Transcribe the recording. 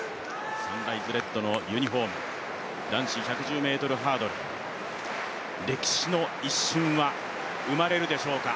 サンライズレッドのユニフォーム、男子１１０ｍハードル、歴史の一瞬は生まれるでしょうか。